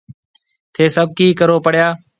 ٿَي سڀ ڪِي ڪرو پيڙيا؟